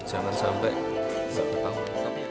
jangan sampai dua puluh tahun